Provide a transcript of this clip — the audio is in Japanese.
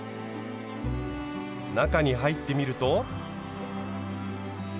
中に入ってみると。